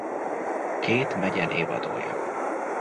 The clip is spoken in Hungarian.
Két megye névadója.